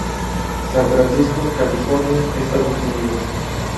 San Francisco, California, Estados Unidos.